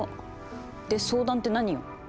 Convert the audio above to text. で相談って何よ？